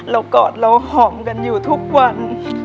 กอดเราหอมกันอยู่ทุกวัน